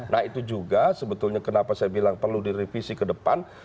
nah itu juga sebetulnya kenapa saya bilang perlu direvisi ke depan